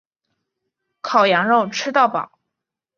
烤羊肉吃到饱